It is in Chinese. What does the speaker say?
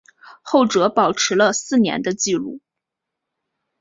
后者保持了四年的纪录。